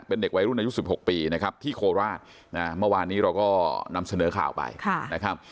เป็นเด็กวัยรุ่นอายุ๑๖ปีนะครับที่โคราชเมื่อวานนี้เราก็นำเสนอข่าวไปนะครับ